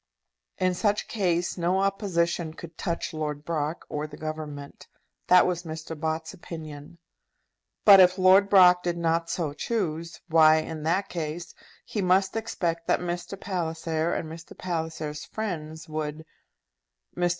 In such case no opposition could touch Lord Brock or the Government. That was Mr. Bott's opinion. But if Lord Brock did not so choose, why, in that case, he must expect that Mr. Palliser, and Mr. Palliser's friends, would . Mr.